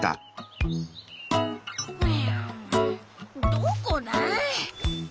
どこだあ。